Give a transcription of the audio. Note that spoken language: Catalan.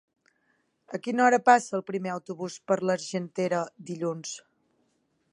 A quina hora passa el primer autobús per l'Argentera dilluns?